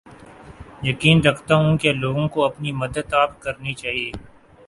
یقین رکھتا ہوں کے لوگوں کو اپنی مدد آپ کرنی چاھیے